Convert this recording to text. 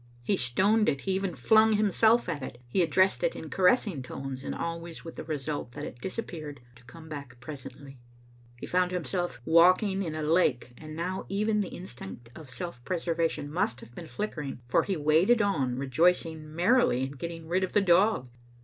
He stoned it, he even flnng himself at it, he addressed it in caressing tones, and always with the result that it disappeared, to come back presently. He found himself walking in a lake, and now even the instinct of self preservation must have been flicker ing, for he waded on, rejoicing merely in getting rid of the dog.